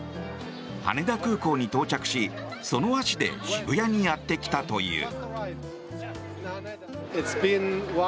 羽田空港に到着し、その足で渋谷にやってきたという。